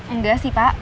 enggak sih pak